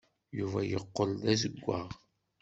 Yuba yeqqel d azewwaɣ.